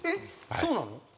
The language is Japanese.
そうなの？